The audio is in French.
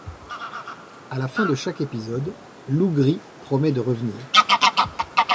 À la fin de chaque épisode, Loup Gris promet de revenir.